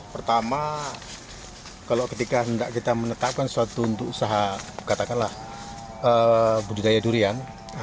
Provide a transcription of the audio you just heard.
pertama ketika kita menetapkan sesuatu untuk usaha budidaya durian